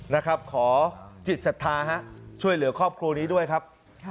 นะครับขอจิตศรัทธาฮะช่วยเหลือครอบครัวนี้ด้วยครับ